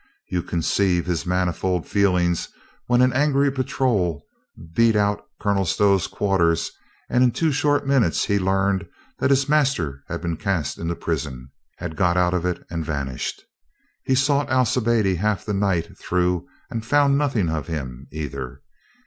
You conceive his manifold feelings when an angry patrol beat out Colonel Stow's quarters and in two short minutes he learned that his master had been cast into prison, had got out of it and vanished. He sought Alcibiade half the night through and found nothing of him either.